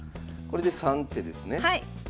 これで３手ですね。